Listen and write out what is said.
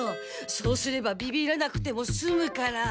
そうすればビビらなくても済むから。